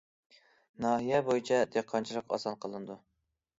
ناھىيە بويىچە دېھقانچىلىق ئاساس قىلىنىدۇ.